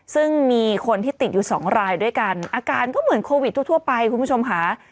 ซึ่งมีคนที่ติดอยู่สองรายด้วยกันอาการก็เหมือนโควิดทั่วไปคุณผู้ชมค่ะ